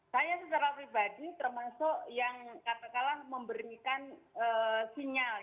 tanya secara pribadi termasuk yang kata kata memberikan sinyal